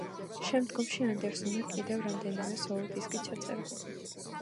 შემდგომში ანდერსონმა კიდევ რამდენიმე სოლო-დისკი ჩაწერა.